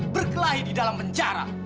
berkelahi di dalam penjara